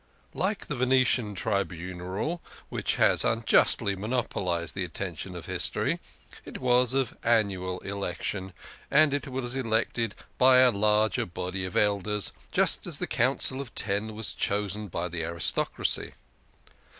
Like the Venetian Tribunal, which has unjustly monopolised the attention of history, it was of annual election, and it was elected by a larger body of Elders, just as the Council of Ten was chosen by the aristocracy.